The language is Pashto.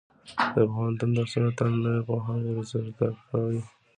د پوهنتون درسونه تل نوې پوهه ورزده کوي.